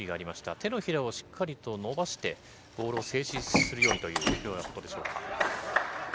手のひらをしっかりと伸ばして、ボールを静止するようにというようなことでしょうか。